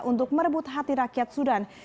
untuk merebut hati rakyat sudan